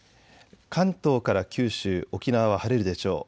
関東から九州、沖縄は晴れるでしょう。